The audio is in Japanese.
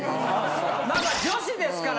まあまあ女子ですから。